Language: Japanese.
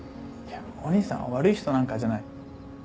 いやお兄さんは悪い人なんかじゃない。